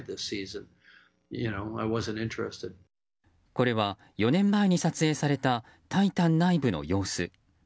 これは、４年前に撮影された「タイタン」内部の様子。